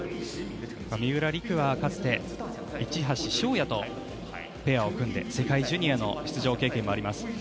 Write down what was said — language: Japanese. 三浦璃来はかつて市橋翔哉とペアを組んで世界ジュニアの出場経験もあります。